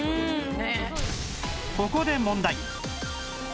ここで問題